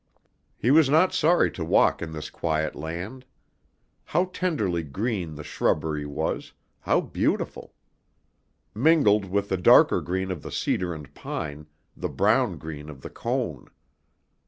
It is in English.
He was not sorry to walk in this quiet land. How tenderly green the shrubbery was, how beautiful! Mingled with the darker green of the cedar and pine, the brown green of the cone.